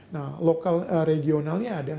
nah lokal regionalnya ada